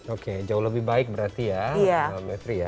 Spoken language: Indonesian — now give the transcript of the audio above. oke jauh lebih baik berarti ya